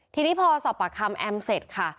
ทีนี้พอสอบปากคำแอมเสร็จค่ะ